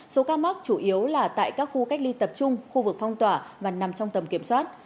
số ca mắc chủ yếu là tại các khu cách ly tập trung khu vực phong tỏa và nằm trong tầm kiểm soát